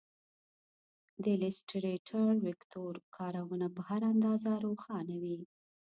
د ایلیسټریټر ویکتور کارونه په هر اندازه روښانه وي.